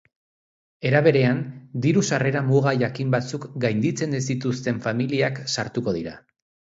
Era berean, diru-sarrera muga jakin batzuk gainditzen ez dituzten familiak sartuko dira.